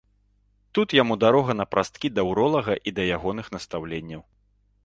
Тут яму дарога напрасткі да ўролага і да ягоных настаўленняў.